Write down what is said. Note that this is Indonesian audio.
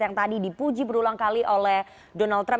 yang tadi dipuji berulang kali oleh donald trump